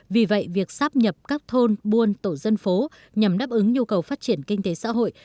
vì vậy việc sắp nhập các thôn buôn tổ dân phố nhằm đáp ứng nhu cầu phát triển kinh tế xã hội